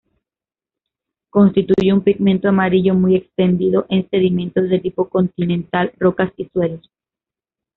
Constituye un pigmento amarillo muy extendido en sedimentos de tipo continental, rocas y suelos.